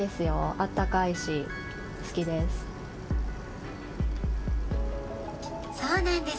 あったかいし、好きです。